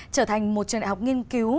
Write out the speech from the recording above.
trở thành một trường đại học nghiên cứu